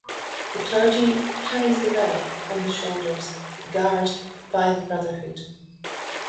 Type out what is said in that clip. The clergy carries the relic on the shoulders, guarde by the brotherhood.